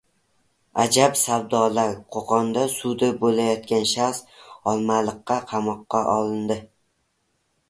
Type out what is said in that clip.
Ajab savdolar: Qo‘qonda sudi bo‘layotgan shaxs Olmaliqda qamoqqa olindi